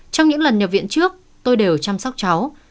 trong những lần nhập viện trước tôi đều chăm sóc cháu